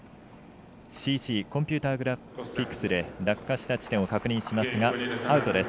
ＣＧコンピューターグラフィックで落下した地点を確認しますがアウトです。